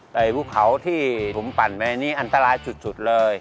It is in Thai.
แต่ภูเขาที่ผมปั่นไปนี่อันตรายสุดเลย